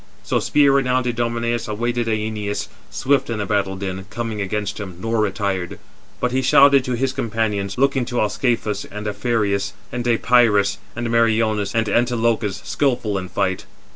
So spear renowned Idomeneus awaited Æneas, swift in the battle din, coming against him, nor retired; but he shouted to his companions, looking to Ascalaphus, and Aphareus, and Deïpyrus, and Meriones, and Antilochus, skilful in fight.